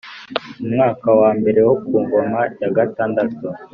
Mu mwaka wa mbere wo ku ngoma ya gatandatu